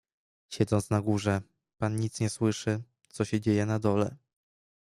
"Siedząc na górze, pan nic nie słyszy, co się dzieje na dole."